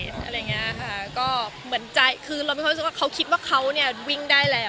คือเราไม่เคยรู้สึกว่าเขาคิดว่าเขาวิ่งได้แล้ว